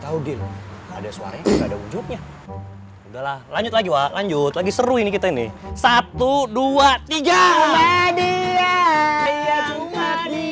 tahu di ada suara ada wujudnya udah lanjut lagi lanjut lagi seru ini kita ini satu ratus dua puluh tiga media